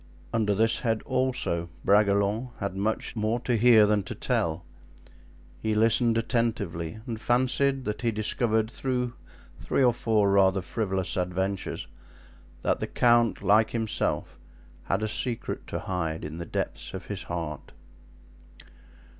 Under this head, also, Bragelonne had much more to hear than to tell. He listened attentively and fancied that he discovered through three or four rather frivolous adventures, that the count, like himself, had a secret to hide in the depths of his heart.